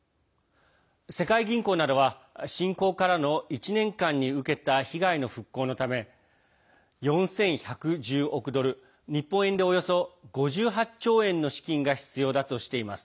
世界銀行などは侵攻からの１年間に受けた被害の復興のため４１１０億ドル日本円でおよそ５８兆円の資金が必要だとしています。